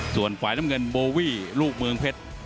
ส่วนฝ่ายน้ำเงินโบวี่ลูกเมืองเพชร